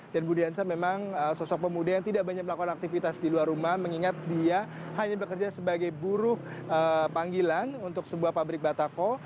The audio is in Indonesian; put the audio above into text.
dan budi hansa memang sosok pemuda yang tidak banyak melakukan aktivitas di luar rumah mengingat dia hanya bekerja sebagai buruh panggilan untuk sebuah pabrik batako